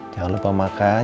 jangan lupa makan